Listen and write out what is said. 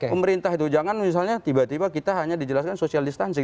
pemerintah itu jangan misalnya tiba tiba kita hanya dijelaskan social distancing